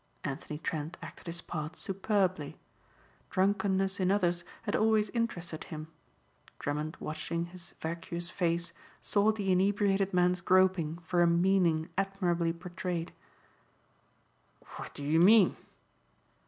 Anthony Trent acted his part superbly. Drunkenness in others had always interested him. Drummond watching his vacuous face saw the inebriated man's groping for a meaning admirably portrayed. "What do yer mean?"